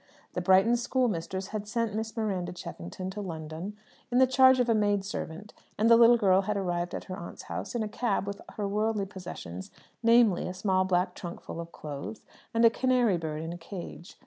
The Brighton schoolmistress had sent Miss Miranda Cheffington to London in the charge of a maid servant, and the little girl had arrived at her aunt's house in a cab with her worldly possessions, namely, a small black trunk full of clothes, and a canary bird in a cage.